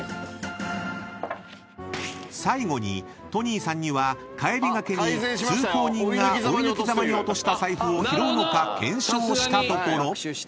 ［最後にトニーさんには帰りがけに通行人が追い抜きざまに落とした財布を拾うのか検証したところ］